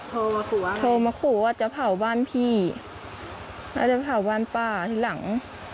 โทรมาขู่บ้านโทรมาขู่ว่าจะเผาบ้านพี่แล้วจะเผาบ้านป้าทีหลัง